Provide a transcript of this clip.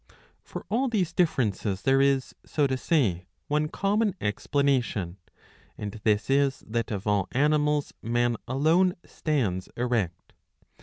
^^ For all these differences there is, so to say, one common explanation, and this is that of all animals man alone stands erect.